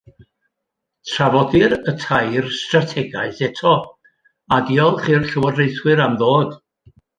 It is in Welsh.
Trafodir y tair strategaeth eto, a diolch i'r llywodraethwyr am ddod